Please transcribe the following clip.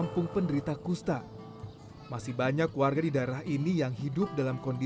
terima kasih banyak banyak